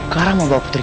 semua ikut gue